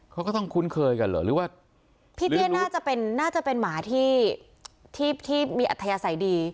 เขาก็ต้องคุ้นเคยกันเหรอหรือว่าพี่เตี้ยน่าจะเป็นน่าจะเป็นหมาที่ที่มีอัธยาศัยดี